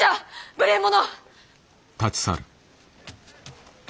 無礼者！